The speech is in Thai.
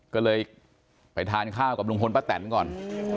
ก็เลยไปทานข้าวกับลุงพลป้าแตนก่อน